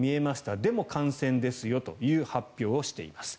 でも、感染ですよという発表をしています。